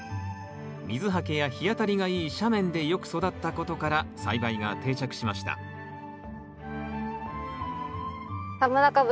水はけや日当たりがいい斜面でよく育ったことから栽培が定着しました田村かぶ